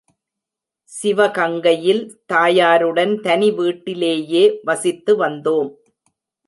சிவகங்கையில் தாயாருடன் தனி வீட்டிலேயே வசித்து வந்தோம்.